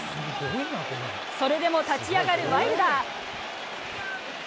それでも立ち上がるワイルダー。